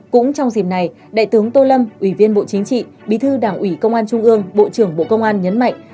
cũng trong dịp này đại tướng tô lâm ủy viên bộ chính trị bí thư đảng ủy công an trung ương bộ trưởng bộ công an nhấn mạnh